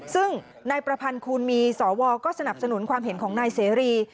ซึ่งนายประพันธ์คูณมีสวก็สนับสนุนความเห็นของนายเสรี